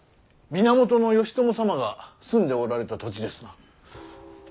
源義朝様が住んでおられた土地ですな。